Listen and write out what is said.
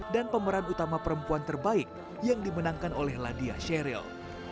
dan pemeran utama perempuan terbaik yang dimenangkan oleh ladia sheryl